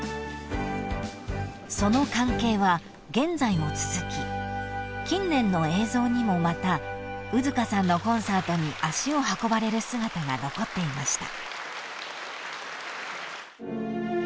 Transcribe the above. ［その関係は現在も続き近年の映像にもまた兎束さんのコンサートに足を運ばれる姿が残っていました］